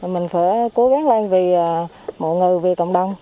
mình phải cố gắng lên vì mọi người vì cộng đồng